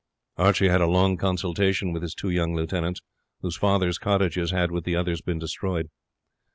Archie had a long consultation with his two young lieutenants, whose fathers' cottages had with the others been destroyed.